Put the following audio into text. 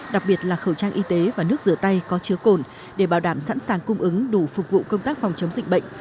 đặc biệt là khẩu trang y tế và nước rửa tay có chứa cồn để bảo đảm sẵn sàng cung ứng đủ phục vụ công tác phòng chống dịch bệnh